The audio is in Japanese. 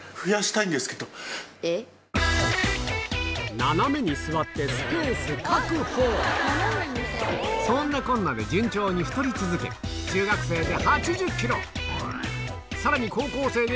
斜めに座ってそんなこんなで順調に太り続け中学生でさらに高校生でが！